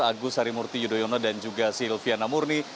agus harimurti yudhoyono dan juga silviana murni